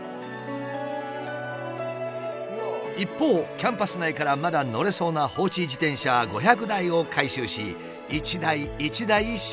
一方キャンパス内からまだ乗れそうな放置自転車５００台を回収し一台一台修理を続けてきた。